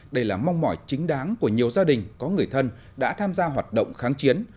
đây là mong mỏi chính đáng của nhiều gia đình có người thân đã tham gia hoạt động kháng chiến